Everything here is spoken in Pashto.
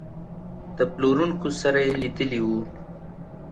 د پلورونکو سره یې لیدلي وو.